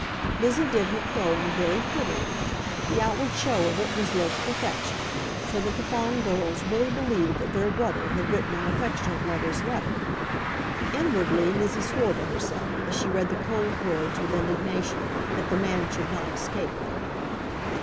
Lizzie did her crowing very prettily. The outward show of it was there to perfection, so that the Fawn girls really believed that their brother had written an affectionate lover's letter. Inwardly, Lizzie swore to herself, as she read the cold words with indignation, that the man should not escape her.